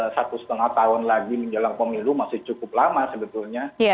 satu setengah tahun lagi menjelang pemilu masih cukup lama sebetulnya